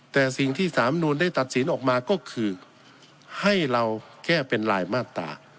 แต่สิ่งที่สามนูลได้ตัดสินออกมาก็คือให้เราแค่เป็นลายมาตรา